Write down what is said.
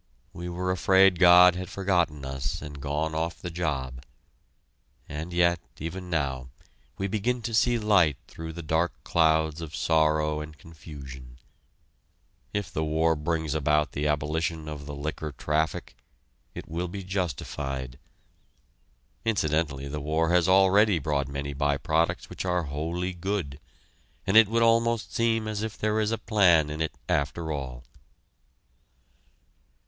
We were afraid God had forgotten us and gone off the job. And yet, even now, we begin to see light through the dark clouds of sorrow and confusion. If the war brings about the abolition of the liquor traffic, it will be justified. Incidentally the war has already brought many by products which are wholly good, and it would almost seem as if there is a plan in it after all.